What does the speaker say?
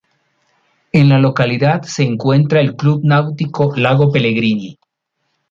En la localidad se encuentra el Club Náutico Lago Pellegrini.